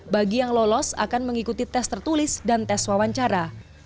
bagi yang lolos akan mengikuti tes tertulis dan tes wawancara